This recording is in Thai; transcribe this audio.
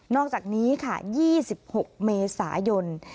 อกจากนี้ค่ะ๒๖เมษายน